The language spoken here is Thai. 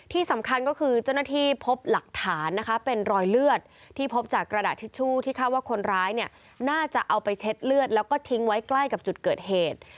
ที่สำคัญก็คือเจ้าหน้าที่พบหลักฐานนะคะเป็นรอยเลือดที่พบจากกระดาษทิชชู่ที่คาดว่าคนร้ายเนี่ยน่าจะเอาไปเช็ดเลือดแล้วก็ทิ้งไว้ใกล้กับจุดเกิดเหตุ